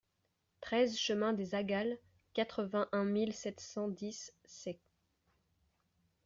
treize chemin des Agals, quatre-vingt-un mille sept cent dix Saïx